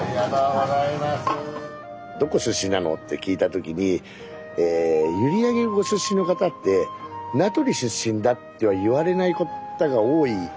どこ出身なのって聞いた時に閖上ご出身の方って名取出身だっては言われない方が多い僕は印象があるんです。